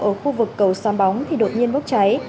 ở khu vực cầu sam bóng thì đột nhiên bốc cháy